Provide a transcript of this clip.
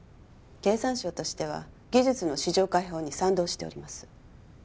経産省としては技術の市場開放に賛同しております